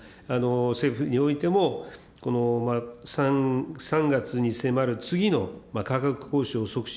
政府においても３月に迫る次の価格交渉促進